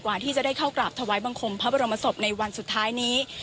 ที่จะได้เข้ากราบถวายบังคมพระบรมศพในวันสุดท้ายนี้